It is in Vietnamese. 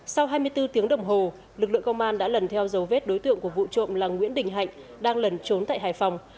sau hai mươi bốn tiếng đồng hồ lực lượng công an đã lần theo dấu vết đối tượng của vụ trộm là nguyễn đình hạnh đang lần trốn tại hải phòng